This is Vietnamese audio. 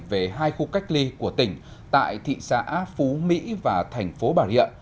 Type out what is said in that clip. về hai khu cách ly của tỉnh tại thị xã phú mỹ và thành phố bà rịa